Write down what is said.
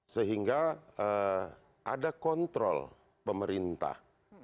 sehingga ada kontrol pemerintah